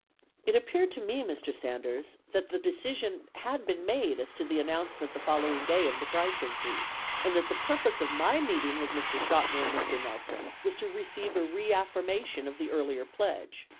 It appeared to me, Mr. Sanders, that the decision had been made as to the announcement the following day of the price increase; and that the purpose of my meeting with Mr. Chotiner and Mr. Nelson was to re ceive a reaffirmation of the earlier pledge.